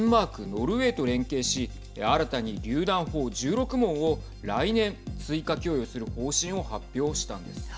ノルウェーと連携し新たに、りゅう弾砲１６門を来年、追加供与する方針を発表したんです。